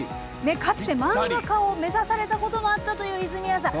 かつて、漫画家を目指されたこともあったという泉谷さん。